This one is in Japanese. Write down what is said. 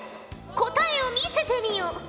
答えを見せてみよ。